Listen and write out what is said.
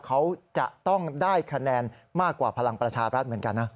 เขาจะต้องได้คะแนนมากกว่าพลังประชาบรัฐเหมือนกันนะ